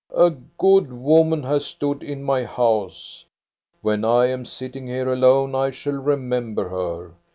A good woman has stood in my house. When I am sitting here alone, I shall remember her.